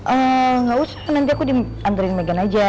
ehh gak usah nanti aku dianturin megan aja